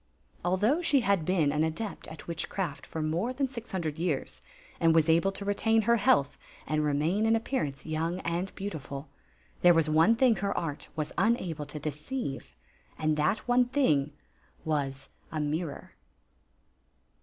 Although she had been an adept at witchcraft for more than six hundred years, and was able to retain her health and remain in appearance young and beau tiful, there was one thing her art was unable to de ceive, and that one thing was a mirror.